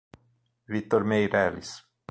Vitor Meireles